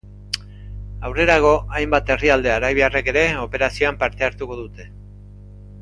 Aurrerago, hainbat herrialdek arabiarrek ere operazioan parte hartuko dute.